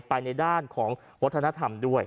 ในด้านของวัฒนธรรมด้วย